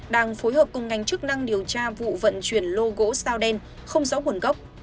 đang phối hợp cùng ngành chức năng điều tra vụ vận chuyển lô gỗ sao đen không rõ nguồn gốc